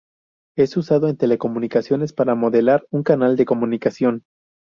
Es usado en telecomunicaciones para modelar un canal de comunicación.